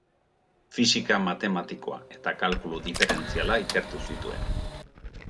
Fisika matematikoa eta kalkulu diferentziala ikertu zituen.